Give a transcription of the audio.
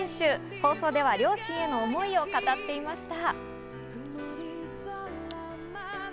放送では両親への思いを語っていました。